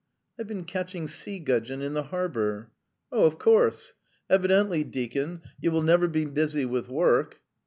"I've been catching sea gudgeon in the harbour." "Oh, of course. ... Evidently, deacon, you will never be busy with work."